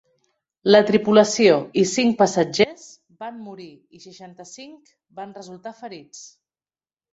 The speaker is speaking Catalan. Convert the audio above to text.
La tripulació i cinc passatgers van morir i seixanta-cinc van resultar ferits.